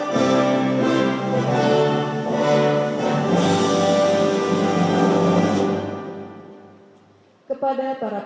kau melintasi setiap orang